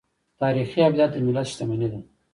تاریخي ابدات د ملت شتمني ده.